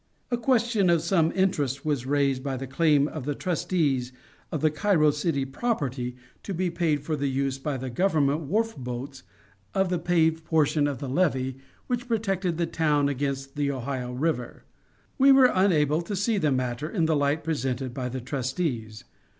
A question of some interest was raised by the claim of the trustees of the Cairo city property to be paid for the use by the Government wharf boats of the paved portion of the levee which protected the town against the Ohio River. We were unable to see the matter in the light presented by the trustees.